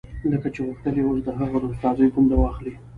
لکه چې غوښتل يې اوس هغه د استادۍ دنده واخلي.